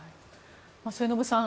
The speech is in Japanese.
末延さん